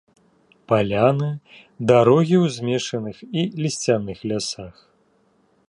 Паляны, дарогі ў змешаных і лісцяных лясах.